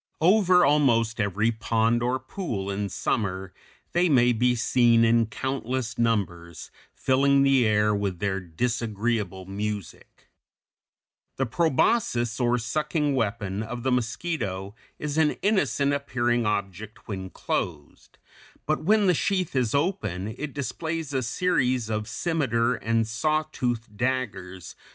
Over almost every pond or pool in summer they may be seen in countless numbers, filling the air with their disagreeable music. [Illustration: FIG. 223. Proboscis of a mosquito.] The proboscis, or sucking weapon, of the mosquito (Fig. 223) is an innocent appearing object when closed; but when the sheath is open it displays a series of scimeter and sawtooth daggers (Fig.